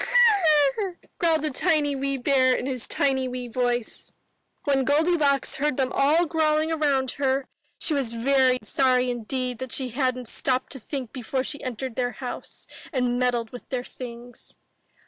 ''Gr r r!" growled the tiny wee bear in his tiny wee voice. When Goldilocks heard them all growling around her, she was very sorry indeed that she hadn't stopped to think before she entered their house and meddled with their things.